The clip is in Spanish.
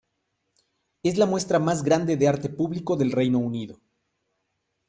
Es la muestra más grande de arte público del Reino Unido.